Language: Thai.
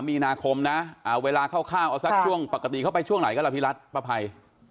มีนาคมนะเวลาคร่าวเอาสักช่วงปกติเข้าไปช่วงไหนก็ล่ะพี่รัฐป้าภัย